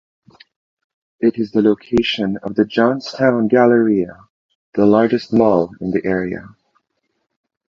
It is the location of The Johnstown Galleria, the largest mall in the area.